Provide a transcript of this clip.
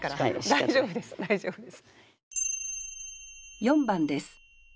大丈夫です大丈夫です。